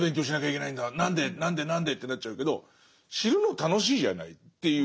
何で何で何でってなっちゃうけど知るの楽しいじゃないっていうこと。